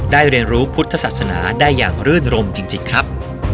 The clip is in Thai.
เรียนรู้พุทธศาสนาได้อย่างรื่นรมจริงครับ